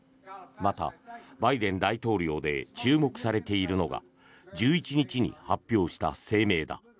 また、バイデン大統領で注目されているのが１１日に発表した声明だ。